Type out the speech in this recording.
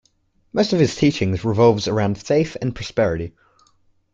Most of his teachings revolves around faith and prosperity.